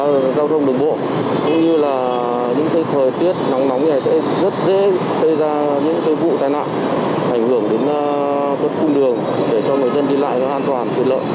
vấn đề an toàn giao thông đường bộ như là những cái thời tiết nóng nóng này sẽ rất dễ xây ra những cái vụ tai nạn hành hưởng đến cốt cung đường để cho người dân đi lại an toàn tuyệt lợi